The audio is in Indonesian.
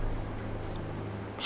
semua ini terjadi antara saya sama thomas